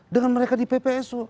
dengan mereka di ppsu